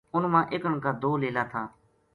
اُن ما اِکن کا دو لیلا تھا